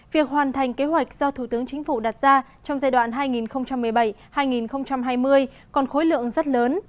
việc hoàn thành kế hoạch do thủ tướng chính phủ đặt ra trong giai đoạn hai nghìn một mươi bảy hai nghìn hai mươi còn khối lượng rất lớn